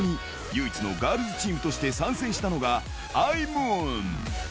そこに唯一のガールズチームとして参戦したのが、アイムーン。